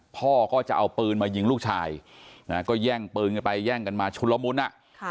พ่อก็จะเอาปืนมายิงลูกชายนะก็แย่งปืนกันไปแย่งกันมาชุนละมุนอ่ะ